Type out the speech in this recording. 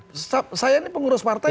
saya ini pengurus partai